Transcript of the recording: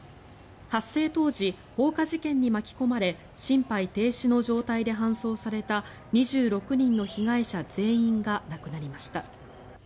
発生当時、放火事件に巻き込まれ心肺停止の状態で搬送された２６人の被害者全員が亡くなりました。